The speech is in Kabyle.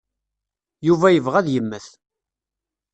Yuba yebɣa ad yemmet.